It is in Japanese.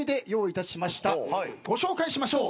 ご紹介しましょう。